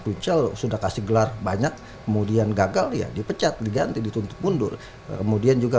pical sudah kasih gelar banyak kemudian gagal ya dipecat diganti dituntut mundur kemudian juga